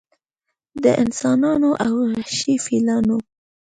د انسانانو او وحشي فیلانو